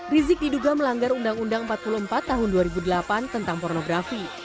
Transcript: rizik diduga melanggar undang undang empat puluh empat tahun dua ribu delapan tentang pornografi